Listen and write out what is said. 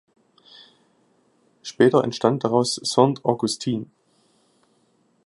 Später entstand daraus Saint Augustine.